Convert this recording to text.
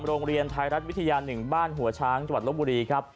โรงเรียนไทยรัฐวิทยา๑บ้านหัวช้างจังหวัดลบบุรีครับ